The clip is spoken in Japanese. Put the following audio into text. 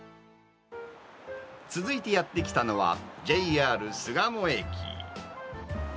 続いてやって来たのは、ＪＲ巣鴨駅。